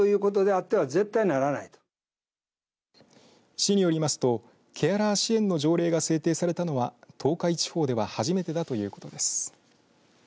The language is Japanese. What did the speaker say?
市によりますとケアラー支援の条例が制定されたのは東海地方では初めてだということです。